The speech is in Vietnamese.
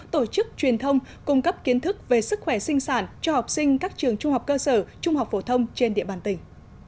tổ chức truyền thông cung cấp kiến thức về sức khỏe sinh sản cho học sinh các trường trung học cơ sở trung học phổ thông trên địa bàn tỉnh